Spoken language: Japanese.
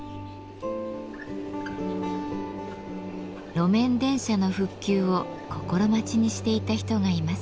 路面電車の復旧を心待ちにしていた人がいます。